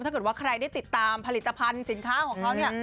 ถ้าเกิดว่าใครได้ติดตามผลิตภัณฑ์สินค้าของเขาเนี่ย